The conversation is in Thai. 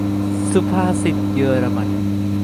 -สุภาษิตเยอรมัน